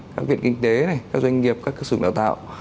các viện kinh tế các doanh nghiệp các sử dụng đạo tạo